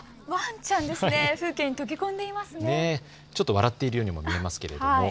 ちょっと笑っているようにも見えますね。